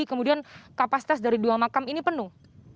kemudian kapasitas dari dua makam ini penuh